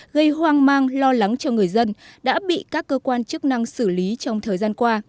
gây hoang mang lo lắng cho người dân đã bị các cơ quan chức năng xử lý trong thời gian qua